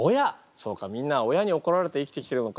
そうかみんな親に怒られて生きてきてるのか。